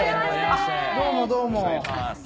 どうもどうも。